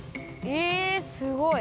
へえすごい！